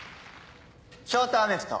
ショートアメフト。